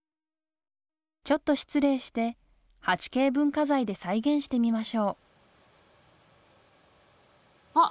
ちょっと失礼して８Ｋ文化財で再現してみましょうあっ！